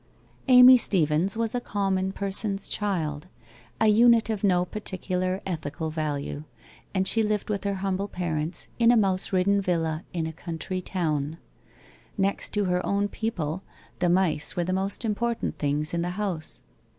Amy Steevens was a common person's child — a unit of no particular ethical value; and she lived with her humble parents in a mouse ridden villa in a country town. Next to her own people, the mice were the most important things in the house.